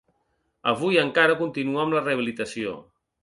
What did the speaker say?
Avui encara continua amb la rehabilitació.